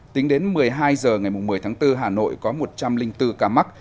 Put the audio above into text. tính đến một mươi hai h ngày một mươi tháng bốn hà nội có một trăm linh bốn ca mắc